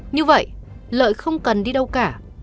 như vậy lợi không cần đi đâu cả